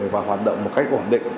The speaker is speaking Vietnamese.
và hoạt động một cách ổn định